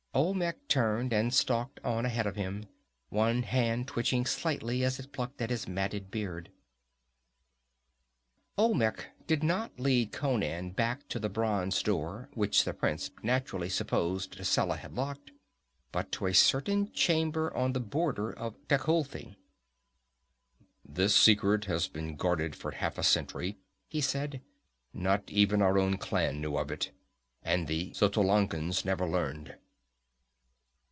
Olmec turned and stalked on ahead of him, one hand twitching slightly as it plucked at his matted beard. Olmec did not lead Conan back to the bronze door, which the prince naturally supposed Tascela had locked, but to a certain chamber on the border of Tecuhltli. "This secret has been guarded for half a century," he said. "Not even our own clan knew of it, and the Xotalancas never learned.